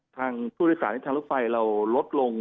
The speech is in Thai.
ทางผู้โดยสารในทางรถไฟเราลดลง